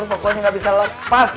pokoknya gak bisa lepas